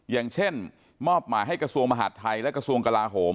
อย่างเช่นมอบหมายให้กระทรวงมหาดไทยและกระทรวงกลาโหม